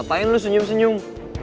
ngapain lo senyum senyum